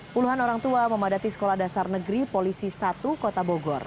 puluhan orang tua memadati sekolah dasar negeri polisi satu kota bogor